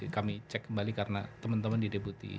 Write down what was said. kami cek kembali karena teman teman di deputi